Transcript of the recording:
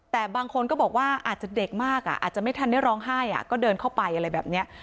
แต่บางคนก็บอกว่าอาจจะเด็กมากอาจจะไม่ทันได้ร้องไห้ก็เดินเข้าไปอะไรแบบนี้